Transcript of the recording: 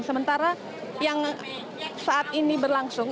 sementara yang saat ini berlangsung